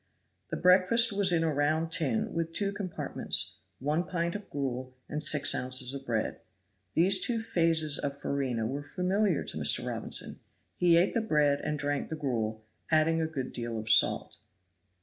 The breakfast was in a round tin, with two compartments; one pint of gruel and six ounces of bread. These two phases of farina were familiar to Mr. Robinson. He ate the bread and drank the gruel, adding a good deal of salt.